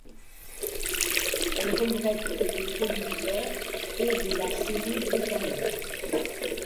Elle regrette que les producteurs ait de la série britannique.